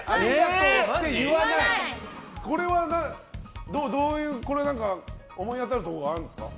これは思い当たるところがあるんですか？